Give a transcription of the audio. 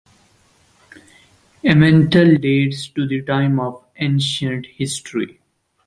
Emmental dates to the time of ancient history.